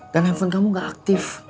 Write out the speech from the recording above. dan handphone kamu gak aktif